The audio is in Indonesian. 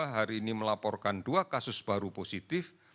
hari ini melaporkan dua kasus baru positif